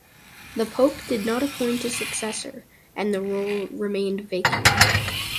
The Pope did not appoint a successor, and the role remained vacant.